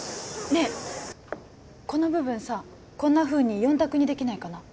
ねえこの部分さこんなふうに４択にできないかな？